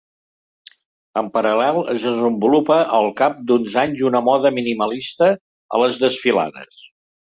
En paral·lel es desenvolupa al cap d'uns anys una moda minimalista a les desfilades.